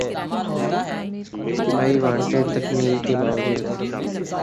’بھائی وانٹڈ‘ تکمیل کے باوجود